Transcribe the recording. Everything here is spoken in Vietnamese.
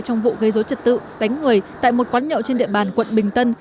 trong vụ gây dối trật tự đánh người tại một quán nhậu trên địa bàn quận bình tân